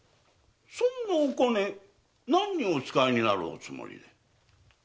そんなお金何にお使いになるおつもりで？